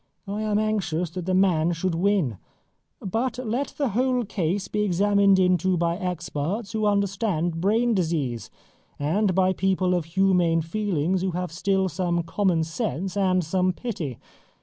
I am anxious that the man should win. But let the whole case be examined into by experts who understand brain disease, and by people of humane feelings who have still some common sense and some pity.